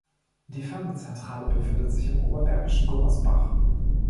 Die Firmenzentrale befindet sich im oberbergischen Gummersbach.